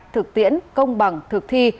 thực tiễn công bằng thực thi